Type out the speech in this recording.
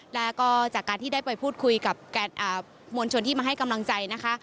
แล้วก็จากการที่ได้ไปพูดคุยกับมวลชนที่มาให้กำลังใจนะคะ